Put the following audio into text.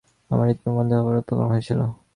আমার হৃৎপিন্ড বন্ধ হবার উপক্রম হয়েছিল।